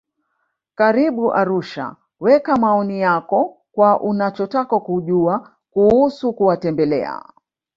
Karibu Arusha weka maoni yako kwa unachotaka kujua kuusu kuwatembelea